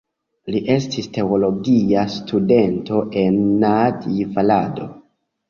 Li estis teologia studento en Nadjvarado.